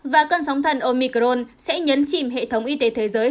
và cơn sóng thần omicron sẽ nhấn chìm hệ thống y tế thế giới